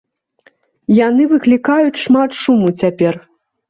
Яны выклікаюць шмат шуму цяпер.